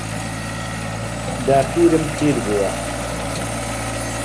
داپیرم پیر بووە.